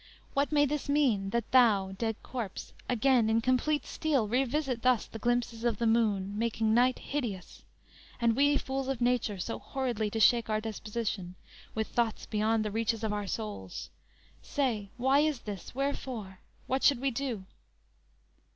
What may this mean, That thou, dead corse, again, in complete steel, Revisit thus the glimpses of the moon, Making night hideous; and we fools of nature So horridly to shake our disposition With thoughts beyond the reaches of our souls? Say, why is this? Wherefore? What should we do?"